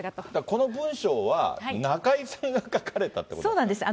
この文章は、中居さんが書かれたってことなんですか？